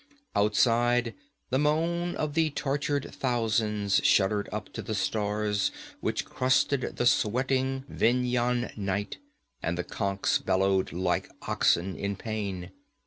Outside, the moan of the tortured thousands shuddered up to the stars which crusted the sweating Vendhyan night, and the conchs bellowed like oxen in pain.